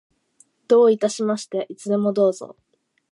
どういたしまして。いつでもどうぞ。